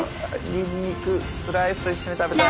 にんにくスライスと一緒に食べたい。